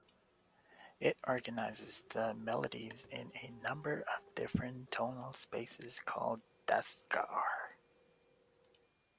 It organizes the melodies in a number of different tonal spaces called Dastgah.